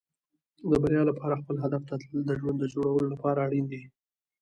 د بریا لپاره خپل هدف ته تلل د ژوند د جوړولو لپاره اړین دي.